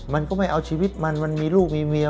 มันก็ไม่เอาชีวิตมันมันมีลูกมีเมีย